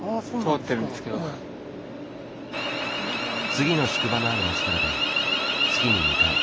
次の宿場のある町からで月に２回